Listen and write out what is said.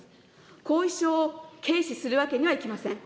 後遺症を軽視するわけにはいきません。